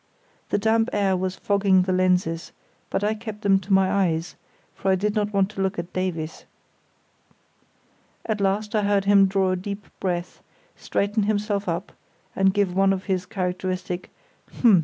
The damp air was fogging the lenses, but I kept them to my eyes; for I did not want to look at Davies. At last I heard him draw a deep breath, straighten himself up, and give one of his characteristic "h'ms".